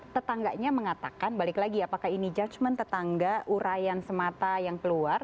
tetangganya mengatakan balik lagi apakah ini judgement tetangga urayan semata yang keluar